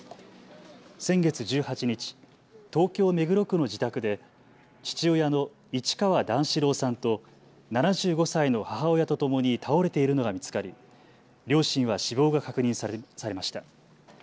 先月１８日、東京目黒区の自宅で父親の市川段四郎さんと７５歳の母親とともに倒れているのが見つかり両親は死亡が確認されました。